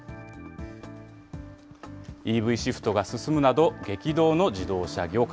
ＥＶシフトが進むなど、激動の自動車業界。